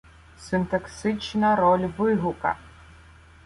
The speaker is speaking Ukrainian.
Синтаксична роль вигука